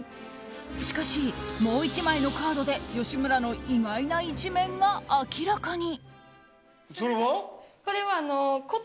しかし、もう１枚のカードで吉村の意外な一面が明らかに。